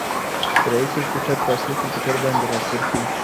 فرعي کرکتر په اصلي کرکتر باندې راڅرخي .